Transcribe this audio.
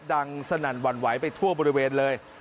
สนั่นหวั่นไหวไปทั่วบริเวณเลย